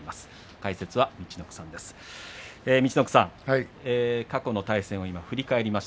解説は陸奥さんです。